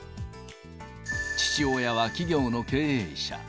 父親は企業の経営者。